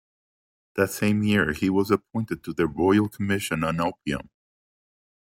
That same year he was appointed to the Royal Commission on Opium.